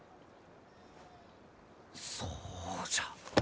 そうじゃ。